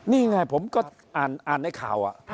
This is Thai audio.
นี่ไงผมก็อ่านในข่าว